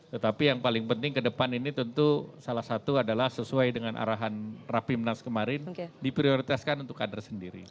tetapi yang paling penting ke depan ini tentu salah satu adalah sesuai dengan arahan rapimnas kemarin diprioritaskan untuk kader sendiri